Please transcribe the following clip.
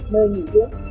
nơi nghỉ dưỡng